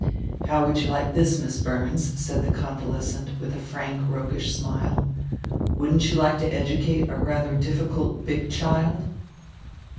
"How would you like this, Miss Burns," said the convalescent, with a frank, roguish smile, "wouldn't you like to educate a rather difficult big child?"